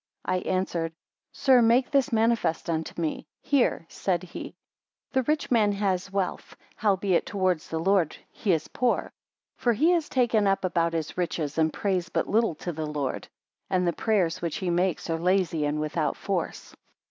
I answered, Sir, make this manifest unto me. Hear, said he; the rich man has wealth: howbeit towards the Lord he is poor; for he is taken up about his riches, and prays but little to the Lord; and the prayers which he makes are lazy and without force.